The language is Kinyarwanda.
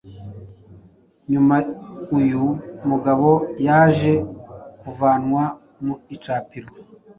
Nyuma uyu mugabo yaje kuvanwa mu icapiro